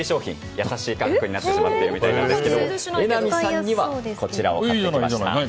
優しい価格になってしまってるみたいですけど榎並さんにはこちらを買ってきました。